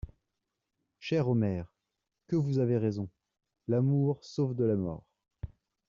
Cher Omer, que vous avez raison: l'amour sauve de la mort!